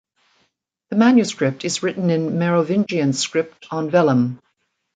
The manuscript is written in Merovingian script on vellum.